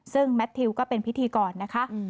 ซึ่งแมททิวก็เป็นพิธีกรนะคะ